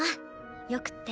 よくって？